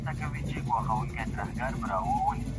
که موږ پوه شو، نو د غلطو پېغامونو سره مخ نشو.